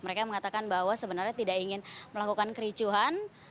mereka mengatakan bahwa sebenarnya tidak ingin melakukan kericuhan